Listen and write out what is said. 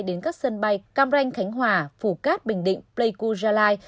đến các sân bay cam ranh khánh hòa phủ cát bình định pleiku gia lai